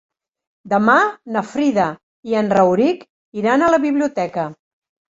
Demà na Frida i en Rauric iran a la biblioteca.